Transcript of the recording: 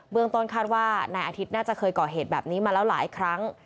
เมืองต้นคาดว่านายอาทิตย์น่าจะเคยก่อเหตุแบบนี้มาแล้วหลายครั้ง